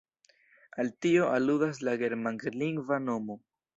Al tio aludas la germanlingva nomo.